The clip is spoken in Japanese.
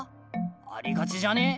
ありがちじゃね？